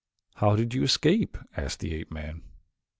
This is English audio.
"How did you escape?" asked the ape man.